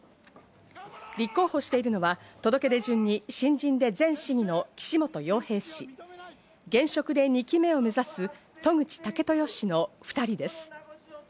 立候補しているのは届け出順に新人で前市議の岸本洋平氏、現職で２期目を目指す、渡具知武豊氏の２人です。